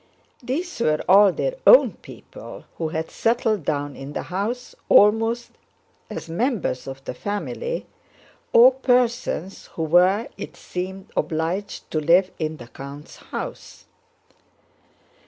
These were all their own people who had settled down in the house almost as members of the family, or persons who were, it seemed, obliged to live in the count's house.